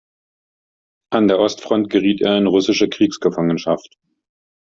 An der Ostfront geriet er in russische Kriegsgefangenschaft.